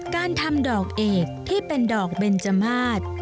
การทำดอกเอกที่เป็นดอกเบนจมาส